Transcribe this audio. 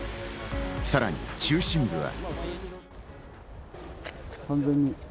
さらに中心部は。